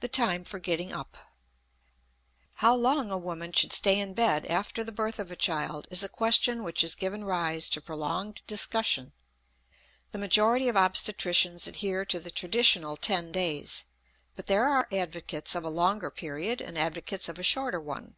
The Time for Getting Up. How long a woman should stay in bed after the birth of a child is a question which has given rise to prolonged discussion. The majority of obstetricians adhere to the traditional ten days; but there are advocates of a longer period and advocates of a shorter one.